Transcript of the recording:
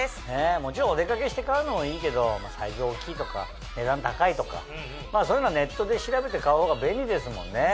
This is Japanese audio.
もちろんお出かけして買うのもいいけどサイズが大きいとか値段高いとかそういうのはネットで調べて買う方が便利ですもんね。